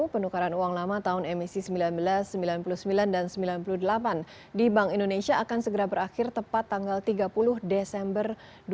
penukaran uang lama tahun emisi seribu sembilan ratus sembilan puluh sembilan dan seribu sembilan ratus sembilan puluh delapan di bank indonesia akan segera berakhir tepat tanggal tiga puluh desember dua ribu dua puluh